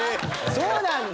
そうなんだ。